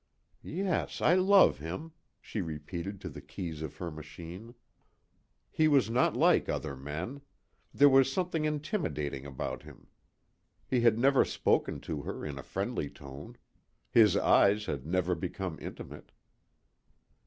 "Yes, I love him," she repeated to the keys of her machine. He was not like other men. There was something intimidating about him. He had never spoken to her in a friendly tone. His eyes had never become intimate.